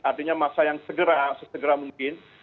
artinya masa yang segera sesegera mungkin